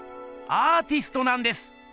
アーティストなんです！